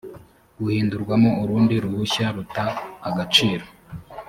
guhindurwamo urundi ruhushya ruta agaciro